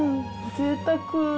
ぜいたく。